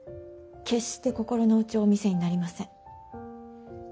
決して心の内をお見せになりません。